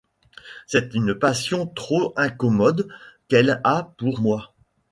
C'est une passion trop incommode qu'elle a pour moi.